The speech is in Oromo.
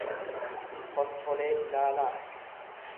konfolee ilaalaa.